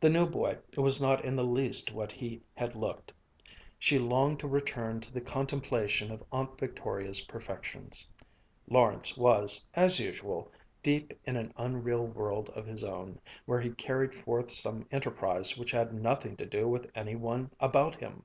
The new boy was not in the least what he had looked. She longed to return to the contemplation of Aunt Victoria's perfections. Lawrence was, as usual, deep in an unreal world of his own, where he carried forth some enterprise which had nothing to do with any one about him.